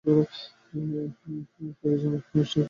Terrigen মিস্টের রক্ষক।